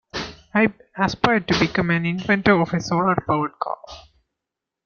I aspire to become an inventor of a solar-powered car.